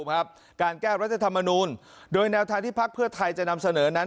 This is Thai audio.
ขอถามคุณภาพภูมิครับการแก้นรัฐธรรมนุนโดยแนวทางที่พักเพื่อไทยจะนำเสนอนั้น